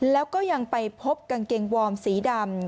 แล้วก็ยังไปพบกางเกงวอร์มสีดำ